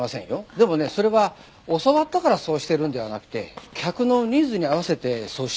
でもねそれは教わったからそうしているんではなくて客のニーズに合わせてそうしてるんです。